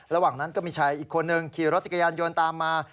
ระหว่างนั้นก็มีชายอีกคนนึงขี่รถจักรยานยนต์ตามมา